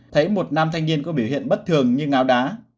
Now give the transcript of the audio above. thấy một nam thanh niên có biểu hiện bất thường như ngáo đá